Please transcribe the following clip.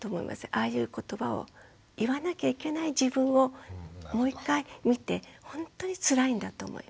ああいう言葉を言わなきゃいけない自分をもう一回見てほんとにつらいんだと思います。